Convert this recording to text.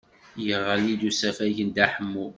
Yeɣli-d usafag n Dda Ḥemmu.